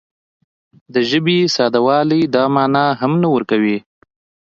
د ژبې ساده والی دا مانا هم نه ورکوي